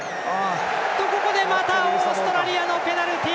ここでオーストラリアのペナルティ！